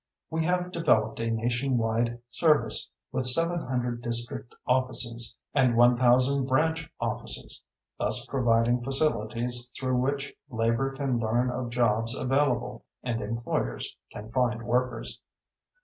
We have developed a nationwide service with seven hundred district offices and one thousand branch offices, thus providing facilities through which labor can learn of jobs available and employers can find workers.